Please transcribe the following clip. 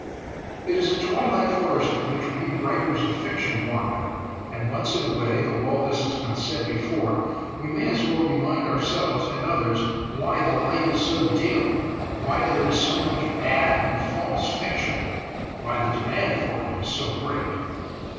. It is a twilight forest in which we writers of fiction wander, and once in a way, though all this has been said before, we may as well remind ourselves and others why the light is so dim; why there is so much bad and false fiction; why the demand for it is so great.